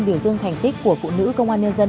biểu dương thành tích của phụ nữ công an nhân dân